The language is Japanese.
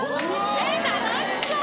えっ楽しそう。